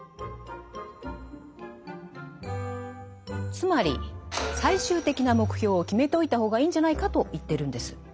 つまり最終的な目標を決めておいた方がいいんじゃないかと言ってるんです。